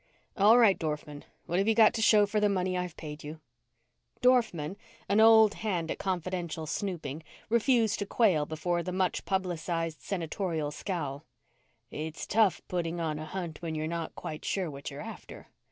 "All right. Dorfman, what have you got to show for the money I've paid you?" Dorfman, an old hand at confidential snooping, refused to quail before the much publicized senatorial scowl. "It's tough putting on a hunt when you're not quite sure what you're after."